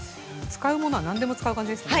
使うものは何でも使う感じですね。